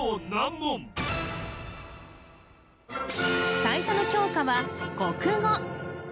最初の教科は国語